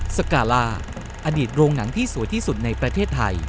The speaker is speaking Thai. สกาล่าอดีตโรงหนังที่สวยที่สุดในประเทศไทย